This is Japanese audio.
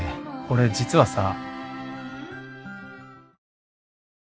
俺実はさ。